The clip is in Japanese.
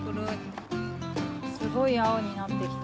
すごいあおになってきたね。